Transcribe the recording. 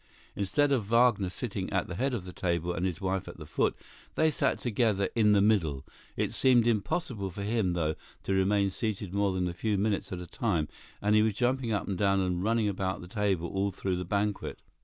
Instead of Wagner sitting at the head of the table and his wife at the foot, they sat together in the middle. It seemed impossible for him, though, to remain seated more than a few minutes at a time, and he was jumping up and down and running about the table all through the banquet.